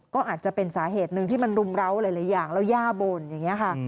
ก็อาจจะเป็นสาเหตุหนึ่งที่มันรุมร้าวหลายอย่างแล้วย่าบ่นอย่างนี้ค่ะ